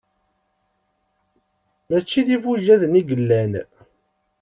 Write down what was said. Mačči d-ibujaden i yellan.